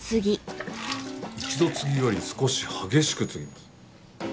一度つぎより少し激しくつぎます。